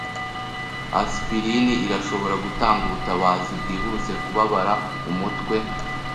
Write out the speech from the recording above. Aspirin irashobora gutanga ubutabazi bwihuse kubabara umutwe.